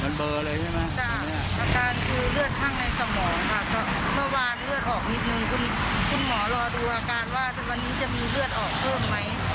นี่คือประกันว่าวันนี้จะมีเลือดออกเพิ่มไหม